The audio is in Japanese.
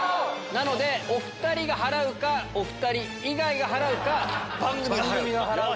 なのでお２人が払うかお２人以外が払うか番組が払う。